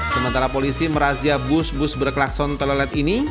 sementara polisi merazia bus bus berklakson telolet ini